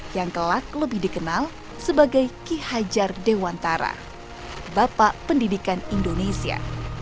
yang kelak lebih dikenal sebagai ki hajar dewantara bapak pendidikan indonesia